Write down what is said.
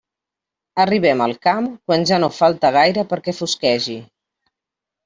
Arribem al camp quan ja no falta gaire perquè fosquegi.